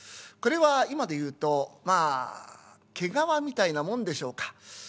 これは今で言うとまあ毛皮みたいなもんでしょうか。